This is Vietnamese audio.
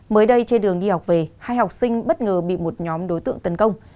mới đây trên đường đi học về hai học sinh bất ngờ bị một nhóm đối tượng tấn công